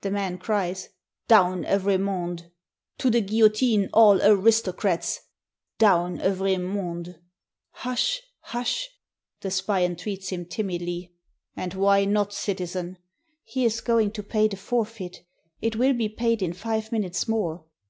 The man cries, "Down, Evremonde! To the Guillo tine all aristocrats! Down, Evremonde!" "Hush, hush!" the spy entreats him timidly. "And why not, citizen?" "He is going to pay the forfeit; it will be paid in five minutes more.